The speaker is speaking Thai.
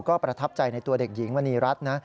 ก็ประทับใจในตัวเด็กหญิงมณีรัฐนะ